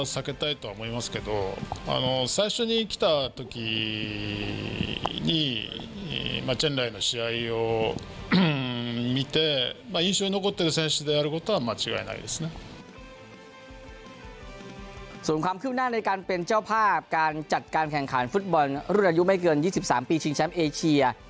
ส่วนความคืบหน้าในการเป็นเจ้าภาพการจัดการแข่งขันฟุตบอลรุ่นอายุไม่เกิน๒๓ปีชิงแชมป์เอเชีย